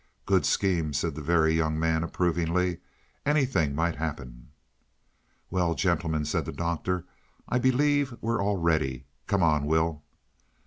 "Good scheme," said the Very Young Man approvingly. "Anything might happen." "Well, gentlemen," said the Doctor, "I believe we're all ready. Come on, Will."